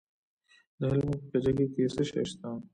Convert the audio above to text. د هلمند په کجکي کې څه شی شته؟